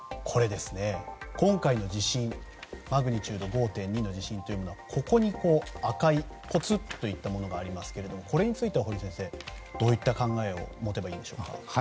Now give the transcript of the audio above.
今回のマグニチュード５．２の地震はここに赤いぽつんといったものがありますがこれについては堀先生、どういった考えを持てばいいですか。